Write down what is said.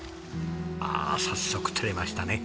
ああ早速釣れましたね。